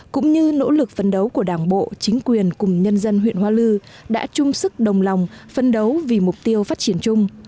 cũng như nỗ lực phấn đấu của đảng bộ chính quyền cùng nhân dân huyện hoa lư đã chung sức đồng lòng phân đấu vì mục tiêu phát triển chung